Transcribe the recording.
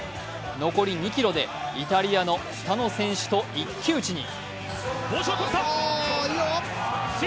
残り２ｋｍでイタリアのスタノ選手と一騎打ちに。